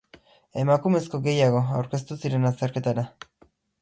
Emakumezko gehiago aurkeztu ziren azterketara.